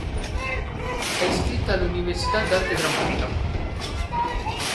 È iscritta all'Università d'Arte drammatica.